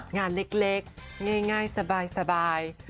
งานเล็กง่ายสบาย